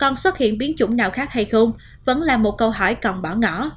còn xuất hiện biến chủng nào khác hay không vẫn là một câu hỏi còn bỏ ngỏ